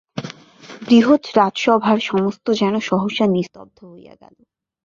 বৃহৎ রাজসভার সমস্ত যেন সহসা নিস্তব্ধ হইয়া গেল।